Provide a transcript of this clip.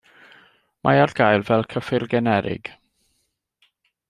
Mae ar gael fel cyffur generig.